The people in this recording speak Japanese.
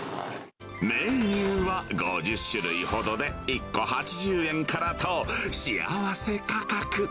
メニューは５０種類ほどで１個８０円からと、幸せ価格。